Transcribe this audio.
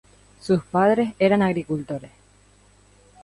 Sus padres eran agricultores.